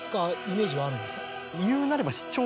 言うなれば。